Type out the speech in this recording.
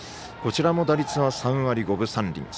こちらも打率は３割５分３厘。